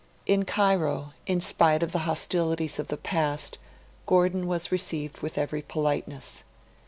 In Cairo, in spite of the hostilities of the past, Gordon was received with every politeness.